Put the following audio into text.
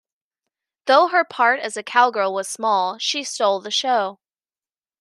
Though her part as a cowgirl was small, she stole the show.